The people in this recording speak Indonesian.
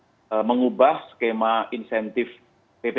lalu yang ketiga mengubah skema insentif bpa pasal dua puluh satu